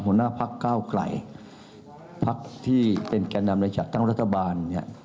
หัวหน้าภักดิ์ก้าวไก่ภักดิ์ที่เป็นแกนอำนาจจัดตั้งรัฐบาล